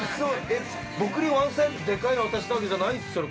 僕にワンサイズでかいの渡したわけじゃないっすよね。